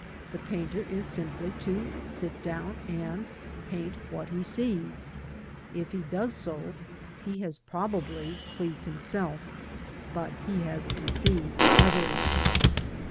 The painter is simply to sit down and paint what he sees ; if he does so, he has probably pleased himself, but he has deceived others.